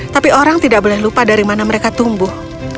tapi orang tidak boleh lupa dari mana mereka tumbuh